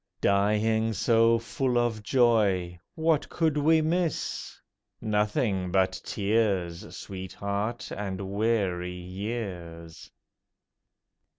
Dying so full of joy, what could we miss? Nothing but tears, Sweetheart, and weary years.